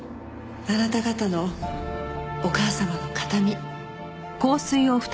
あなた方のお母様の形見。